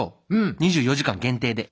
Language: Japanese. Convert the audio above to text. ２４時間限定で。